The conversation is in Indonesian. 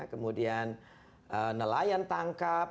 kemudian nelayan tangkap